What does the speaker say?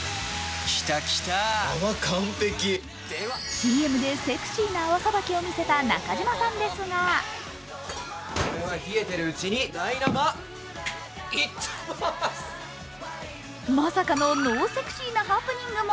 ＣＭでセクシーな泡さばきを見せた中島さんですがまさかのノーセクシーなハプニングも。